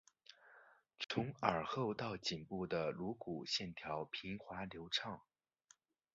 从耳后到颈部的颅骨线条平滑流畅。